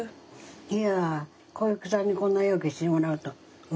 いや小雪さんにこんなようけしてもらうと思わんかった。